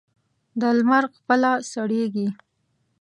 د لمر خپله سړېږي.